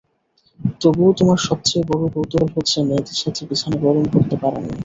তবুও তোমার সবচেয়ে বড়ো কৌতূহল হচ্ছে মেয়েদের সাথে বিছানা গরম করতে পারা নিয়ে?